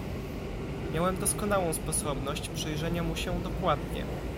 "Miałem doskonałą sposobność przyjrzenia mu się dokładnie."